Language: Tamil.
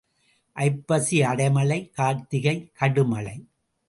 ஐப்பசி அடை மழை கார்த்திகை கடு மழை.